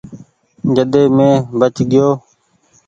جڏي مينٚ بچ گيو